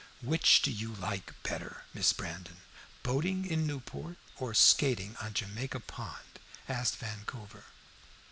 "Which do you like better, Miss Brandon, boating in Newport or skating on Jamaica Pond?" asked Vancouver.